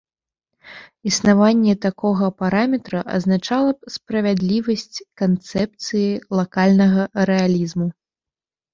Існаванне такога параметра азначала б справядлівасць канцэпцыі лакальнага рэалізму.